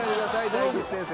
大吉先生。